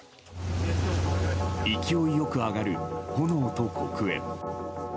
勢いよく上がる炎と黒煙。